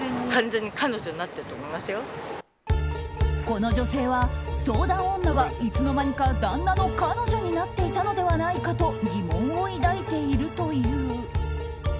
この女性は相談女はいつの間にか旦那の彼女になっていたのではないかと疑問を抱いているという。